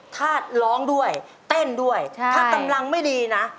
ถ้าร้องด้วยเต้นด้วยถ้ากำลังไม่ดีนะ